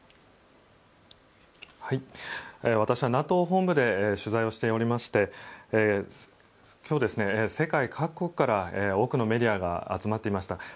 私はＮＡＴＯ本部で取材をしておりまして今日、世界各国から多くのメディアが集まっていました。